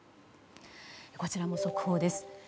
こちらも速報です。